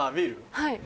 はい。